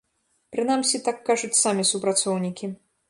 Прынамсі, так кажуць самі супрацоўнікі.